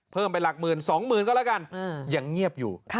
เพิ่มไปหลักหมื่นสองหมื่นก็แล้วกันยังเงียบอยู่